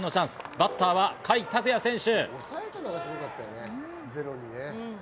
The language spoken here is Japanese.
バッターは甲斐拓也選手。